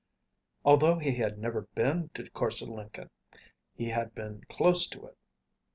Although he had never been to Korse Lenken, he had been close to it.